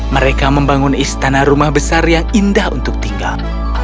mereka membangun istana rumah besar yang indah untuk tinggal